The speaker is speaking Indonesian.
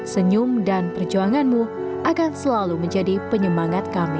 senyum dan perjuanganmu akan selalu menjadi penyemangat kami